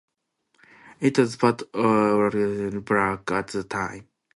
It was part of Lalganj block at the time.